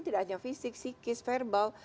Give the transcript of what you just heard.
tidak hanya fisik psikis verbal